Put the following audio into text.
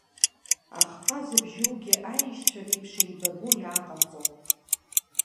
Ахҟа зыбжьоугьы, аишьцәа реиԥш еибабо иааҟарҵон.